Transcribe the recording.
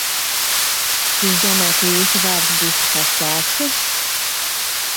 Jūs domājat, ka jūsu vārds būs uz tās plāksnes?